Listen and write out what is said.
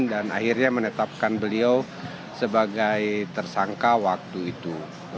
dan akhirnya menetapkan beliau sebagai tersangka waktu itu